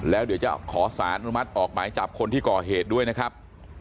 แล้วเดี๋ยวจะขอสารอนุมัติออกหมายจับคนที่ก่อเหตุด้วยนะครับ